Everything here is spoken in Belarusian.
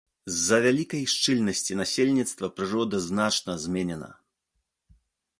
З-за вялікай шчыльнасці насельніцтва прырода значна зменена.